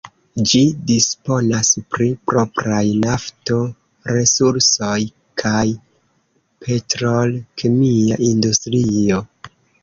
Ĝi disponas pri propraj nafto-resursoj kaj petrol-kemia industrio.